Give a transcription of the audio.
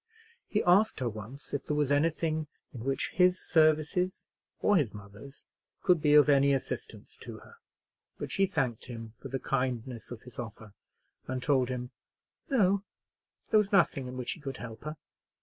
He asked her once if there was anything in which his services, or his mother's, could be of any assistance to her; but she thanked him for the kindness of his offer, and told him, "No, there was nothing in which he could help her."